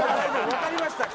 分かりました